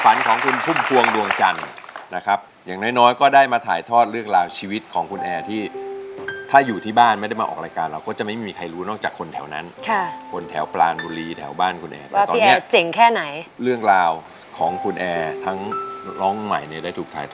พอร้องเพลงให้เขาฟังเปิดเพลงบ้างครับเขาก็จะมีใบหน้าที่ที่สดชื่นขึ้นนะคะ